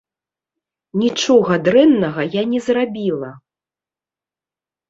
Нічога дрэннага я не зрабіла.